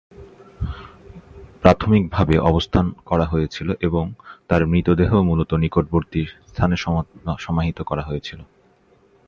প্রাথমিকভাবে অবস্থান করা হয়েছিল এবং, তার মৃতদেহ মূলত নিকটবর্তী স্থানে সমাহিত করা হয়েছিল।